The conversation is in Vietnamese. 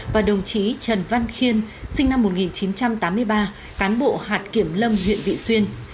và đồng chí trần văn khiên sinh năm một nghìn chín trăm tám mươi ba cán bộ hạt kiểm lâm huyện vị xuyên